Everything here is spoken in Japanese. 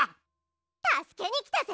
たすけにきたぜ！